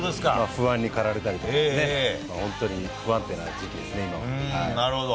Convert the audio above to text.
不安にかられたりとか、本当に不安定な時期ですね、なるほど。